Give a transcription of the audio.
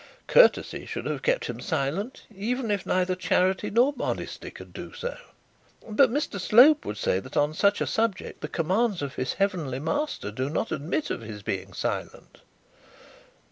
Courtesy should have kept him silent, even if neither charity nor modesty could do so.' 'But Mr Slope would say that on such a subject the commands of his heavenly Master do not admit of his being silent.'